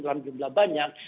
dalam jumlah banyak